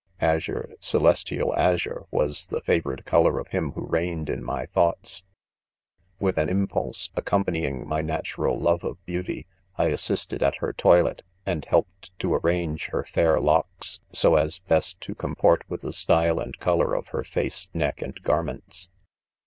Azure, celestial azure, was the favorite colour yof him who reigned in my thoughts. Witii an impulse, accompanying my natural love of beauty, I" assisted at her toilet, and helped to arrange her fair locks so as best to comport with the style and colour of her face, neck, and garments.